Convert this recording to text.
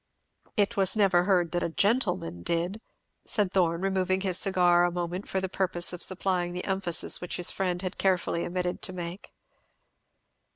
"It never was heard that a gentleman did," said Thorn, removing his cigar a moment for the purpose of supplying the emphasis which his friend had carefully omitted to make.